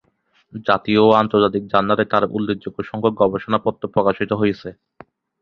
জাতীয় ও আন্তর্জাতিক জার্নালে তার উল্লেখযোগ্য সংখ্যক গবেষণাপত্র প্রকাশিত হয়েছে।